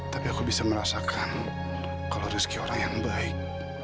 tapi aku bisa merasakan kalau rezeki orang yang baik